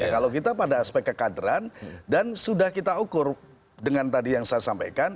kalau kita pada aspek kekaderan dan sudah kita ukur dengan tadi yang saya sampaikan